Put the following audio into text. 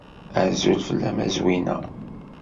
Azul fell-am a Zwina.